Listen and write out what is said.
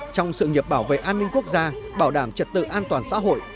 trong sự nghiệp bảo vệ an ninh quốc gia bảo đảm trật tự an toàn xã hội